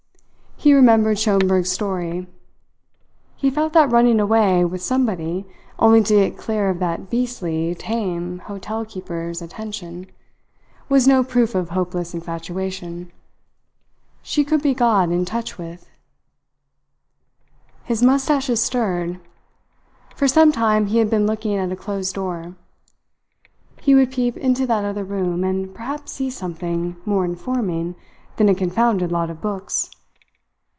He remembered Schomberg's story. He felt that running away with somebody only to get clear of that beastly, tame, hotel keeper's attention was no proof of hopeless infatuation. She could be got in touch with. His moustaches stirred. For some time he had been looking at a closed door. He would peep into that other room, and perhaps see something more informing than a confounded lot of books.